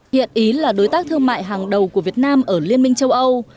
hiện ý là đối tác thương mại hàng đầu của việt nam ở liên minh châu âu